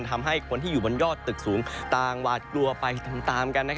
ทำให้คนที่อยู่บนยอดตึกสูงต่างหวาดกลัวไปตามกัน